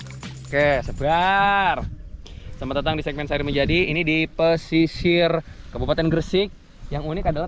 oke sebar selamat datang di segmen sehari menjadi ini di pesisir kabupaten gresik yang unik adalah